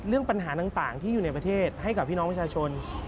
เรื่องปัญหาต่างที่อยู่ในประเทศให้กับพี่น้องประชาชน